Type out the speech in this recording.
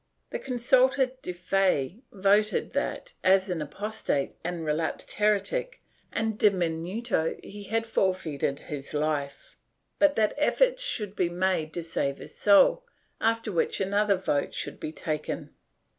The consulta de fe voted that, as an apostate and relapsed heretic and diminuto he had forfeited his life, but that efforts should be made to save his soul, after which another vote should be taken.